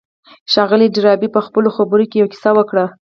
ښاغلي ډاربي په خپلو خبرو کې يوه کيسه وکړه.